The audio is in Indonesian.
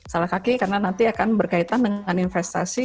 salah kaki karena nanti akan berkaitan dengan investasi